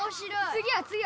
次は？